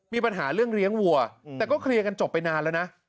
มีปัญหาเรื่องเลี้ยงวัวแต่ก็เคลียร์กันจบไปนานแล้วนะ